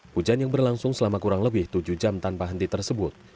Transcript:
hujan yang berlangsung selama kurang lebih tujuh jam tanpa henti tersebut